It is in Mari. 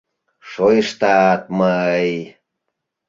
Шойыштат, мый!